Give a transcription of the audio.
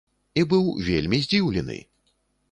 І быў вельмі здзіўлены!